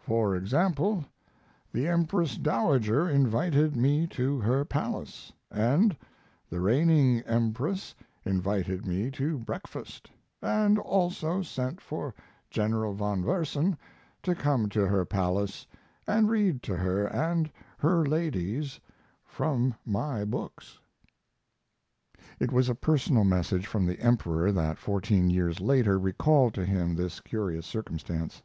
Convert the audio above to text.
For example: the Empress Dowager invited me to her palace, and the reigning Empress invited me to breakfast, and also sent for General von Versen to come to her palace and read to her and her ladies from my books." It was a personal message from the Emperor that fourteen years later recalled to him this curious circumstance.